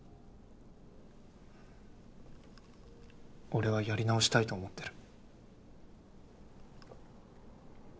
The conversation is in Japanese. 俺はやり直したいと思ってる。